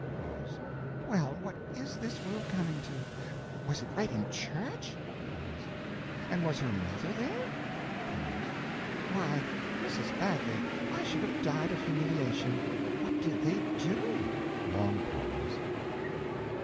Pause. Well, what_ is_ this world coming to? Was it right in church? Pause. And was her mother there? Pause. Why, Mrs. Bagley, I should have died of humiliation! What did they do? Long pause.